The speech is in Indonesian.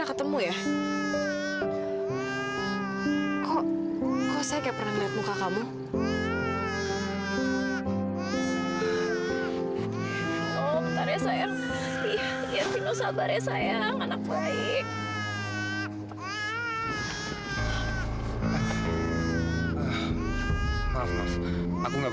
kamu tenang ya kamu tenang